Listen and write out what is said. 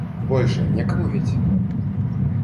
Больше некому ведь?